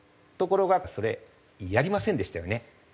ところがそれやりませんでしたよね。